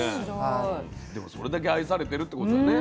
でもそれだけ愛されてるってことだね。